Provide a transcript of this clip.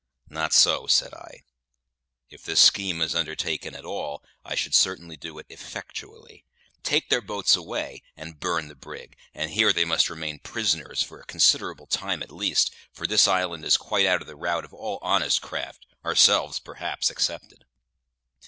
"Not so," said I. "If this scheme is undertaken at all, I should certainly do it effectually. Take their boats away, and burn the brig, and here they must remain prisoners for a considerable time at least; for this island is quite out of the route of all honest craft, ourselves perhaps excepted."